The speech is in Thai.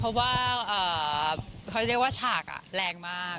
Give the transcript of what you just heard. เพราะว่าเขาเรียกว่าฉากแรงมาก